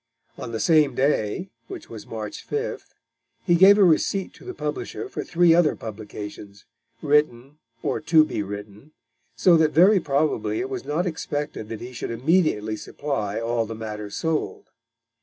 On the same day, which was March 5th, he gave a receipt to the publisher for three other publications, written or to be written, so that very probably it was not expected that he should immediately supply all the matter sold.